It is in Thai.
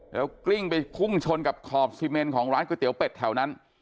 แล้วกลิ้งไปพุ่งชนกับขอบซีเมนของร้านก๋วเป็ดแถวนั้น